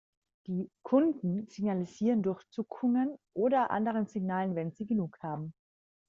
Die „Kunden“ signalisieren durch Zuckungen oder andere Signale, wenn sie genug haben.